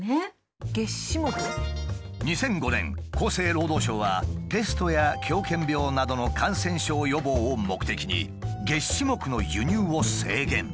２００５年厚生労働省はペストや狂犬病などの感染症予防を目的にげっ歯目の輸入を制限。